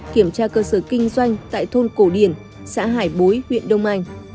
kiểm tra cơ sở kinh doanh tại thôn cổ điển xã hải bối huyện đông anh